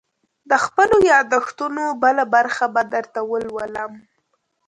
_د خپلو ياد دښتونو بله برخه به درته ولولم.